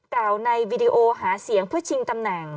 กล่าวในวีดีโอหาเสียงเพื่อชิงตำแหน่ง